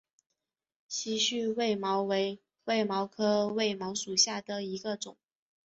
稀序卫矛为卫矛科卫矛属下的一个种。